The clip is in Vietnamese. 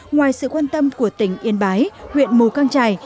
ngoài sự quan tâm của tỉnh yên bái huyện mù căng trải